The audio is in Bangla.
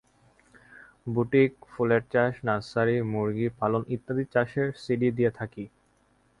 বুটিক, ফুলের চাষ, নার্সারি, মুরগি পালন ইত্যাদি চাষের সিডি দিয়ে থাকি।